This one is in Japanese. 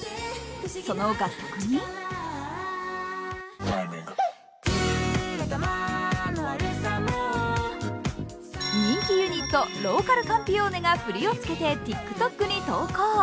その楽曲に人気ユニット、ローカルカンピオーネがフリをつけてＴｉｋＴｏｋに投稿。